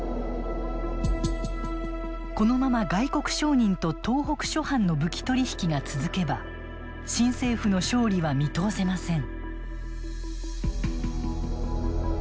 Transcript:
このまま外国商人と東北諸藩の武器取り引きが続けば新政府の勝利は見通せません。